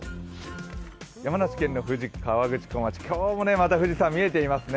山梨県の富士河口湖町、今日もまた富士山見えていますね。